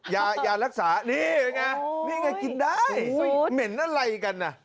ยายารักษานี่ไงนี่ไงกินได้เหม็นอะไรกันน่ะ